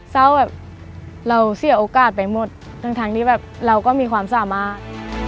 เศร้าแบบเราเสียโอกาสไปหมดทั้งที่แบบเราก็มีความสามารถ